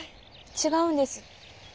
違うんです。